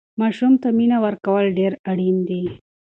ماسوم ته مینه ورکول ډېر اړین دي.